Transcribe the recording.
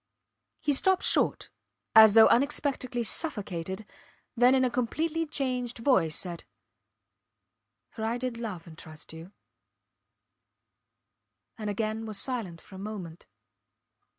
... He stopped short, as though unexpectedly suffocated, then in a completely changed voice said, For I did love and trust you and again was silent for a moment.